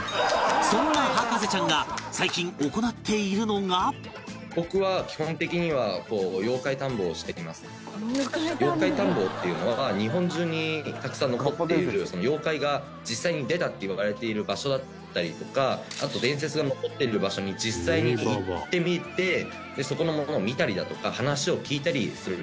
そんな博士ちゃんが僕は基本的には妖怪探訪っていうのは日本中にたくさん残っている妖怪が実際に出たっていわれている場所だったりとかあと伝説が残っている場所に実際に行ってみてそこのものを見たりだとか話を聞いたりする旅の事です。